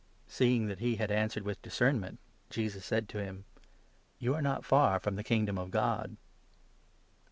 '" Seeing that he had answered with discernment, Jesus said to 34 him :" You are not far from the Kingdom of God."